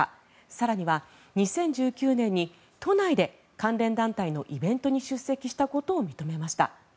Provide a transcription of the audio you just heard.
更には２０１９年に都内で関連団体のイベントに出席したことを認めました。